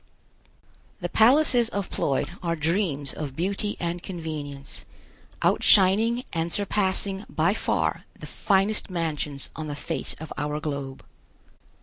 The palaces of Ploid are dreams of beauty and convenience, outshining and surpassing by far the finest mansions on the face of our globe.